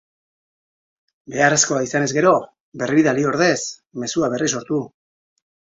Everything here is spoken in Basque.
Beharrezkoa izanez gero, birbidali ordez, mezu berria sortu.